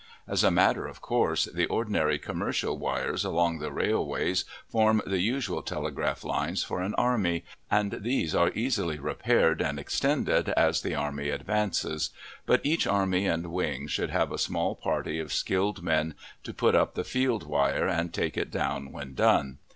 As a matter of course, the ordinary commercial wires along the railways form the usual telegraph lines for an army, and these are easily repaired and extended as the army advances, but each army and wing should have a small party of skilled men to put up the field wire, and take it down when done.